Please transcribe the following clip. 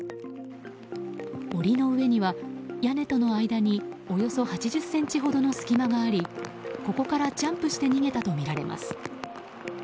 檻の上には屋根との間におよそ８０ｃｍほどの隙間がありここからジャンプして逃げたとみられます。